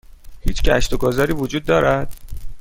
هیچ گشت و گذاری وجود دارد؟